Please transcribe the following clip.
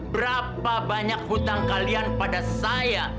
berapa banyak hutang kalian pada saya